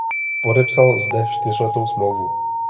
Podepsal zde čtyřletou smlouvu.